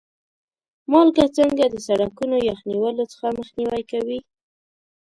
مالګه څنګه د سړکونو یخ نیولو څخه مخنیوی کوي؟